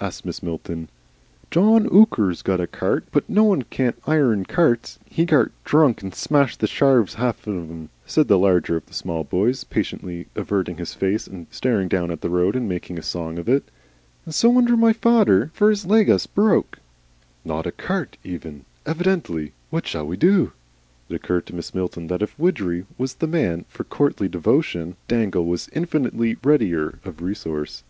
asked Mrs. Milton. "John Ooker's gart a cart, but no one can't 'ire'n," said the larger of the small boys, partially averting his face and staring down the road and making a song of it. "And so's my feyther, for's leg us broke." "Not a cart even! Evidently. What shall we do?" It occurred to Mrs. Milton that if Widgery was the man for courtly devotion, Dangle was infinitely readier of resource.